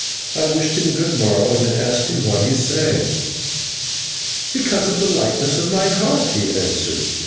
I wished him good morrow, and asked him why he sang. "Because of the lightness of my heart," he answered.